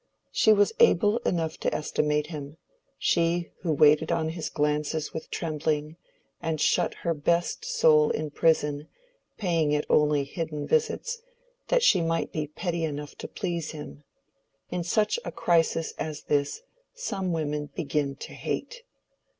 — She was able enough to estimate him—she who waited on his glances with trembling, and shut her best soul in prison, paying it only hidden visits, that she might be petty enough to please him. In such a crisis as this, some women begin to hate.